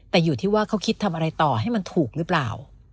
แต่อยู่ที่ว่าเขาคิดทำอะไรต่อให้มันถูกหรือเปล่า